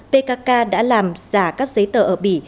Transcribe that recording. pkk đã làm giả các giấy tờ ở bỉ